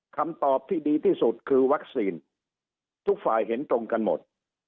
คำตอบที่ดีที่สุดคือวัคซีนทุกฝ่ายเห็นตรงกันหมด